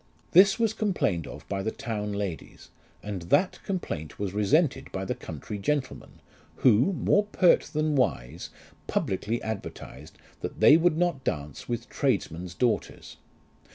This 96 LIFE OF RICHARD NASH. was complained of by the town ladies, and that complaint was resented by the country gentlemen ; who, more pert than wise, publicly advertised that they would not dance with tradesmen's daughters.